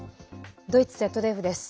ドイツＺＤＦです。